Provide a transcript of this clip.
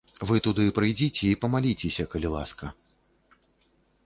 Вы туды прыйдзіце і памаліцеся, калі ласка.